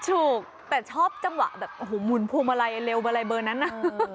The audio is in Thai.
ถูกแต่ชอบจังหวะแบบโอ้โหหมุนพูดมาลัยเร็วมาลัยเบิร์นนั้นนะ